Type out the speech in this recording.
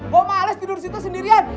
gua males tidur disitu sendirian